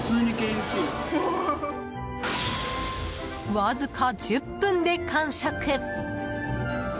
わずか１０分で完食。